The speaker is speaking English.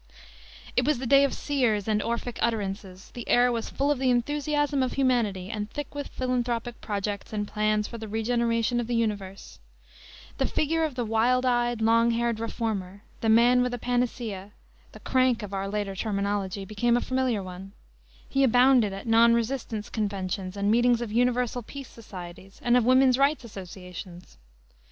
It was the day of seers and "Orphic" utterances; the air was full of the enthusiasm of humanity and thick with philanthropic projects and plans for the regeneration of the universe. The figure of the wild eyed, long haired reformer the man with a panacea the "crank" of our later terminology became a familiar one. He abounded at non resistance conventions and meetings of universal peace societies and of woman's rights associations.